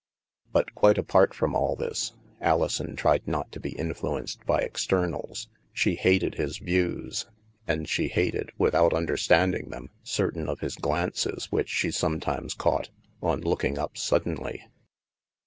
But quite apart from all this (Alison tried not to be influenced by externals) she hated his views. And she hated, without understanding them, certain of his glances which she sometimes caught, on look ing up suddenly.